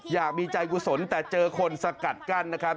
อยากมีใจกุศลแต่เจอคนสกัดกั้นนะครับ